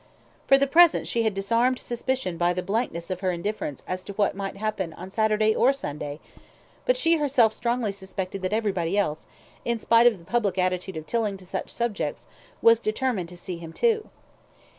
For the present she had disarmed suspicion by the blankness of her indifference as to what might happen on Saturday or Sunday; but she herself strongly suspected that everybody else, in spite of the public attitude of Tilling to such subjects, was determined to see him too.